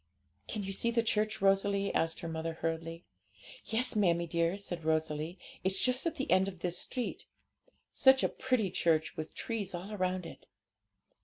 'Can you see the church, Rosalie?' asked her mother hurriedly. 'Yes, mammie dear,' said Rosalie; 'it's just at the end of this street. Such a pretty church, with trees all round it!'